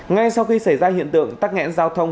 ngay sau khi xảy ra hiện tượng tắc nghẽn giao thông